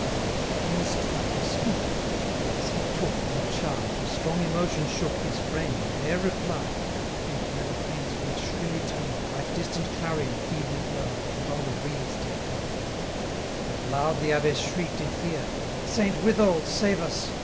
What ail'st thou? Speak!' For as he took The charge, a strong emotion shook His frame; and, ere reply, They heard a faint, yet shrilly tone, 700 Like distant clarion feebly blown, That on the breeze did die; And loud the Abbess shriek'd in fear, 'Saint Withold, save us!